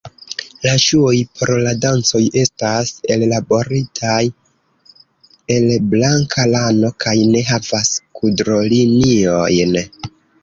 La ŝuoj por la dancoj estas ellaboritaj el blanka lano kaj ne havas kudroliniojn.